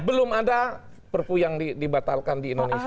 belum ada perpu yang dibatalkan di indonesia